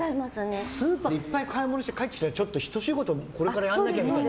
スーパーでいっぱい買って帰ってきて、ひと仕事これからやんなきゃみたいな。